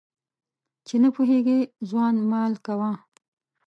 چي نه پوهېږي ځوان مال کوه.